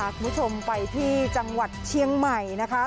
คุณผู้ชมไปที่จังหวัดเชียงใหม่นะคะ